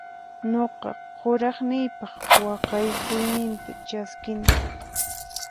Nuqa kuraqniypaq waqhakuyninta chaskini.